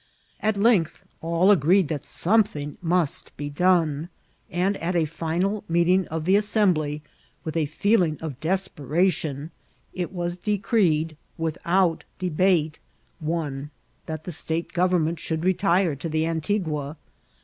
At length all agreed that something must be done ; and at a final meeting of the Assembly, with a feeling of deqperaticm, it was decreed without debate, 1. That the state government should retire lo the Antigua.